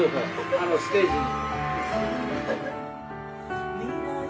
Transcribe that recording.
あのステージに。